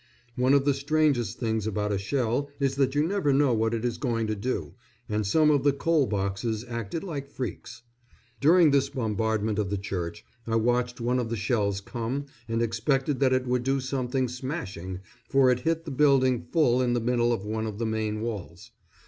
One of the strangest things about a shell is that you never know what it is going to do, and some of the "coal boxes" acted like freaks. During this bombardment of the church I watched one of the shells come, and expected that it would do something smashing, for it hit the building full in the middle of one of the main walls.